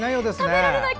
食べられない！